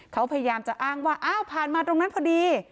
เขาพยายามจะอ้างว่าอ้าวผ่านมาตรงนั้นพอดี